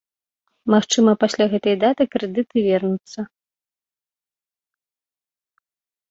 Магчыма, пасля гэтай даты крэдыты вернуцца.